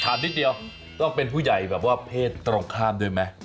นิดเดียวต้องเป็นผู้ใหญ่แบบว่าเพศตรงข้ามด้วยไหม